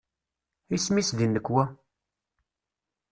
Isem-is di nnekwa?